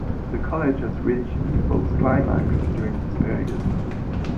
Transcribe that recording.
The College has reached its first climax during this period.